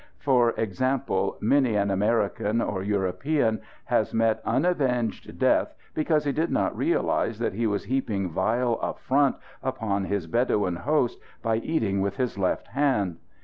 For example, many an American or European has met unavenged death because he did not realize that he was heaping vile affront upon his Bedouin host by eating with his left hand.